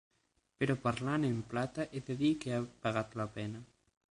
Però, parlant en plata, he de dir que ha pagat la pena.